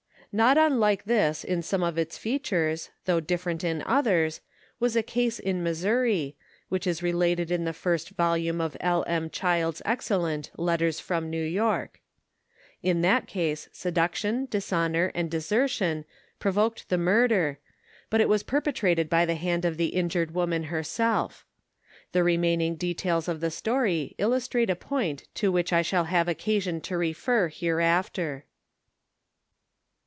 Not unlike this in some of its features, though different in others, was a case in Missouri, which is related in the first vo lume of L. M. Child's excellent " Letters from New York." In that case seduction, dishonor and desertion provoked the murder, but it was perpetrated by the hand of the injured woman herself. The remaining details of the story illustrate • a point to which I shall have occasion to refer hereafter.